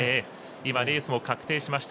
レースも確定しました。